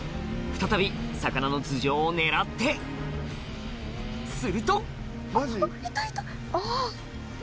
再び魚の頭上を狙ってすると！